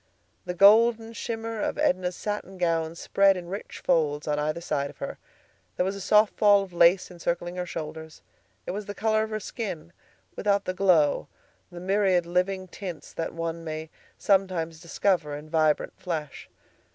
The golden shimmer of Edna's satin gown spread in rich folds on either side of her. There was a soft fall of lace encircling her shoulders. It was the color of her skin, without the glow, the myriad living tints that one may sometimes discover in vibrant flesh.